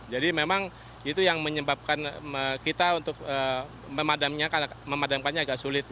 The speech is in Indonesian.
jadi memang itu yang menyebabkan kita untuk memadamkannya agak sulit